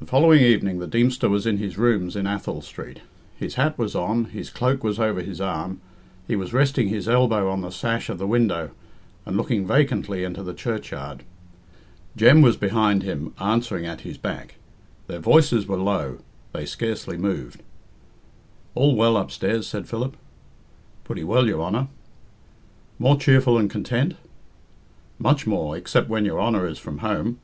The following evening the Deemster was in his rooms in Athol Street. His hat was on, his cloak was over his arm, he was resting his elbow on the sash of the window and looking vacantly into the churchyard. Jem was behind him, answering at his back. Their voices were low; they scarcely moved. "All well upstairs?" said Philip. "Pretty well, your Honour." "More cheerful and content?" "Much more, except when your Honour is from home.